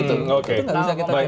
itu gak bisa kita coret